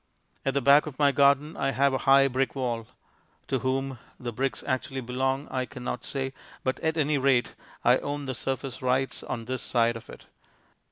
At the back of my garden I have a high brick wall. To whom the bricks actually belong I cannot say, but at any rate I own the surface rights on this side of it.